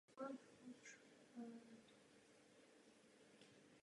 Výrazný vliv na kapelu měla tvorba skupiny The Birthday Party.